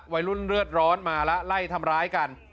วัยรุ่นเลือดร้อนมาแล้วไล่ทำร้ายกัน